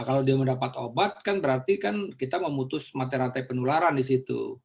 kalau dia mendapat obat kan berarti kan kita memutus materi penularan di situ